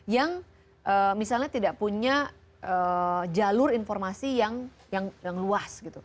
yang misalnya tidak punya jalur informasi yang luas gitu